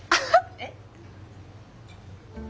えっ？